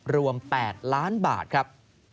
รวม๘ล้านบาทครับ